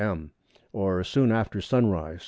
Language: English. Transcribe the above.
m., or soon after sunrise.